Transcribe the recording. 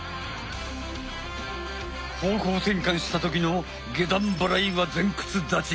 方向転換した時の下段払いは前屈立ち。